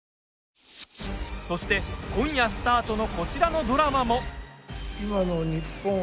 そして、今夜スタートのこちらのドラマも。